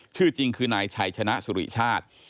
ชื่อจริงคือนายชัยชนะสุริชาติ